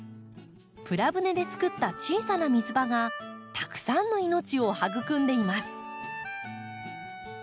プラ舟でつくった小さな水場がたくさんの命を育んでいます。